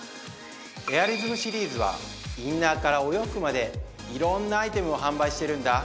エアリズムシリーズはインナーからお洋服までいろんなアイテムを販売しているんだ